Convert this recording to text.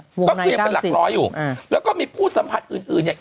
ก็คือเป็นหลัก๑๐๐อยู่แล้วก็มีผู้สัมผัสอื่นเนี่ย